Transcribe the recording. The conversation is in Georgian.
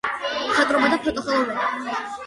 მხატვრობა და ფოტოხელოვნება